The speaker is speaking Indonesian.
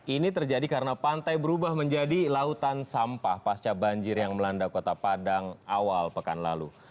ini terjadi karena pantai berubah menjadi lautan sampah pasca banjir yang melanda kota padang awal pekan lalu